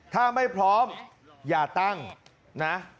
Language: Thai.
ถ้าไม่พร้อมอย่าตั้งนะ